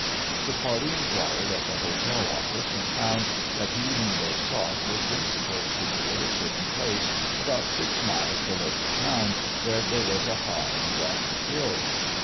The party inquired at the hotel office and found that He whom they sought was then supposed to be at a certain place about six miles below the town where there was a high and rocky hill.